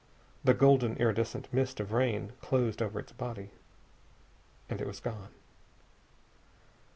The golden, iridescent mist of rain closed over its body. And it was gone.